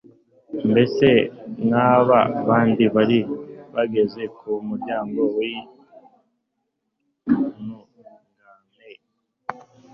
mbese nka ba bandi bari bageze ku muryango w'intungane